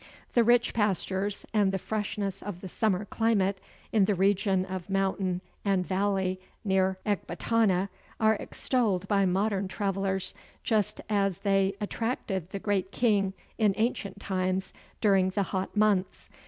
The rich pastures, and the freshness of the summer climate, in the region of mountain and valley near Ekbatana, are extolled by modern travellers, just as they attracted the Great King in ancient times during the hot months.